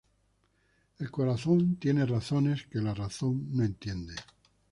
El corazón tiene razones que la razón no entiende